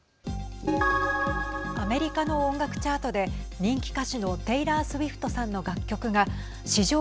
アメリカの音楽チャートで人気歌手のテイラー・スウィフトさんの楽曲が史上